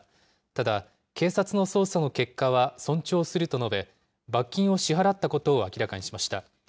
ただ、警察の捜査の結果は尊重すると述べ、罰金を支払ったことを明らかにしました。